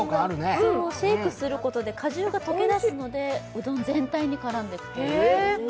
シェイクすることで果汁が溶け出すのでうどん全体に絡んできていますね。